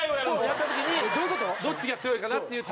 やった時にどっちが強いかなっていう。